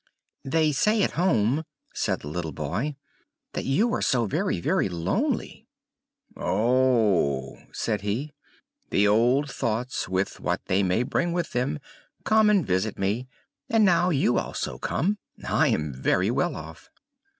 "They say at home," said the little boy, "that you are so very, very lonely!" "Oh!" said he. "The old thoughts, with what they may bring with them, come and visit me, and now you also come! I am very well off!"